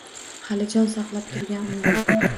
Hali jon saqlab turgan umid